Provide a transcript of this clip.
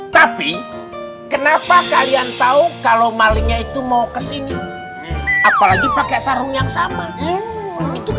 tapi kenapa kalian tahu kalau malingnya itu mau kesini apalagi pakai sarung yang sama itu kan aneh pertanyaan bagus pak d